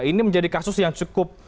ini menjadi kasus yang cukup